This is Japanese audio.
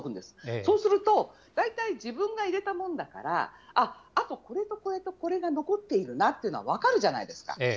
そうすると、大体自分が入れたものだから、あっ、あとこれとこれとこれが残っているなっていうのは分かるじゃないですか。